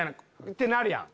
ってなるやん。